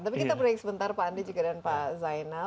tapi kita beri sementara pak andi dan pak zainal